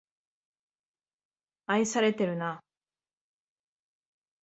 愛されてるな